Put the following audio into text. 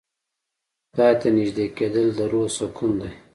خدای ته نژدې کېدل د روح سکون دی.